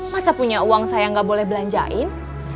masa punya uang saya nggak boleh belanjain